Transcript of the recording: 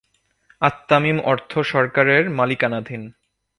আত-তামিম অর্থ সরকারের মালিকানাধীন।